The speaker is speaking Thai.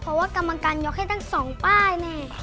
เพราะว่ากรรมการยกให้ทั้งสองป้ายแน่